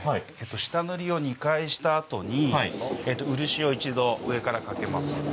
２回したあとに漆を１度、上からかけます。